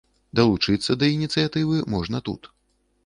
Далучыцца да ініцыятывы можна тут.